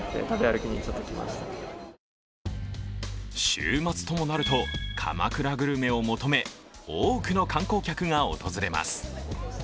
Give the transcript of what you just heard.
週末ともなると鎌倉グルメを求め多くの観光客が訪れます。